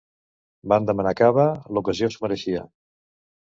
Van demanar cava: l'ocasió s'ho mereixia.